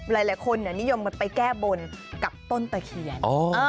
หลายคนนิยมกันไปแก้บนกับต้นตะเคียน